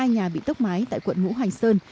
hai nhà bị tốc mái tại quận ngũ hành sơn